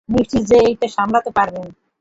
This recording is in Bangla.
নিশ্চিত যে এটা সামলাতে পারবেন?